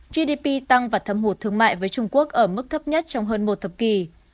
gdp tăng và thâm hụt thương mại với trung quốc ở mức thấp nhất trong hơn một thập kỷ